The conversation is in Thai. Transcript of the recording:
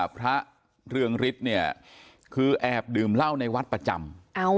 พระเรืองฤทธิ์เนี่ยคือแอบดื่มเหล้าในวัดประจำ